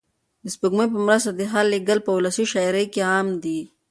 د سپوږمۍ په مرسته د حال لېږل په ولسي شاعرۍ کې عام دي.